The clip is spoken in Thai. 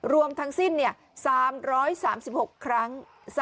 รวมทั้งสิ้น๓๓๖ครั้ง